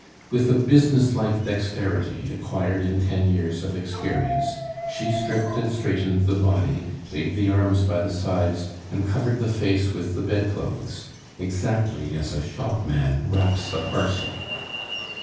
With a business like dexterity acquired in ten years of experience, she stripped and straightened the body, laid the arms by the sides, and covered the face with the bedclothes, exactly as a shopman wraps a parcel.